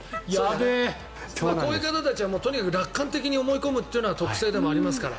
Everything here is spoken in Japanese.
こういう方たちは楽観的に思い込むのは特性でもありますから。